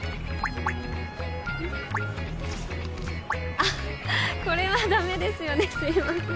あこれはダメですよねすいません。